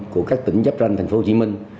của các tỉnh chấp tranh tp hcm